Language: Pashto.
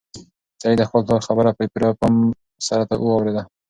سعید د خپل پلار خبره په پوره پام سره واورېده.